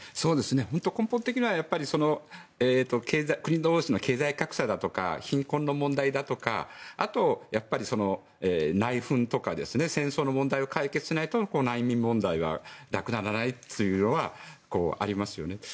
本当、根本的には国同士の経済格差だとか貧困の問題だとかあと、やっぱり内紛とか戦争の問題を解決しないと難民問題はなくならないというのはありますよね。